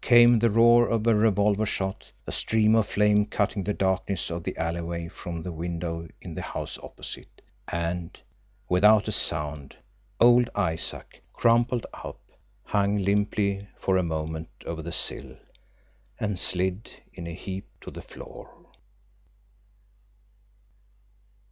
Came the roar of a revolver shot, a stream of flame cutting the darkness of the alleyway from the window in the house opposite and, without a sound, old Isaac crumpled up, hung limply for a moment over the sill, and slid in a heap to the floor.